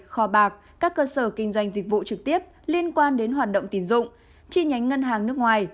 kho bạc các cơ sở kinh doanh dịch vụ trực tiếp liên quan đến hoạt động tín dụng chi nhánh ngân hàng nước ngoài